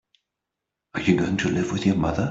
Are you going to live with your mother?